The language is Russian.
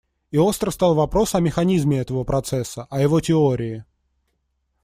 И остро встал вопрос о механизме этого процесса, о его теории.